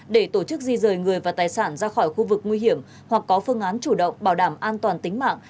để tổ chức di rời người và tài sản ra khỏi khu vực nguy hiểm hoặc có phương án chủ động bảo đảm an toàn tính mạng